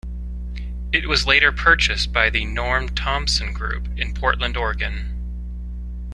It was later purchased by the Norm Thompson group in Portland, Oregon.